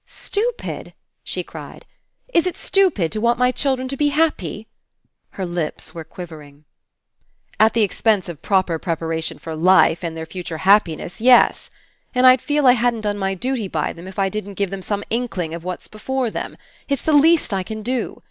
"Stupid!" she cried. "Is it stupid to want my children to be happy?" Her lips were quivering. "At the expense of proper preparation for life and their future happiness, yes. And Td feel I hadn't done my duty by them if I didn't give them some inkling of what's before them. It's the least I can do.